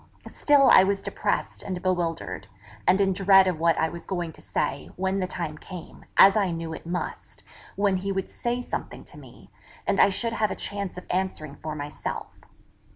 Still I was depressed and bewildered; and in dread of what I was going to say, when the time came, as I knew it must, when he would say something to me, and I should have a chance of answering for myself.